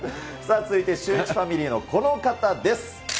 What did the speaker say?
続いてシューイチファミリーのこの方です。